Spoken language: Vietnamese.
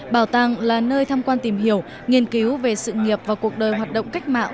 bảo tàng là nơi tham quan tìm hiểu nghiên cứu về sự nghiệp và cuộc đời hoạt động cách mạng